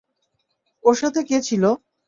ওর সাথে কে ছিল?